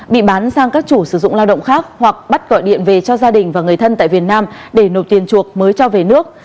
bị bán sang các chủ sử dụng lao động khác hoặc bắt gọi điện về cho gia đình và người thân tại việt nam để nộp tiền chuộc mới cho về nước